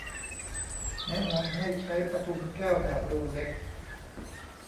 แนะนำให้ใช้ปทุมแก้วแบบรูเล็ก